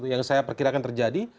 yang saya perkirakan terjadi